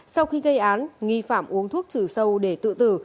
sau khi gây án nghi phạm uống thuốc trừ sâu để tự tử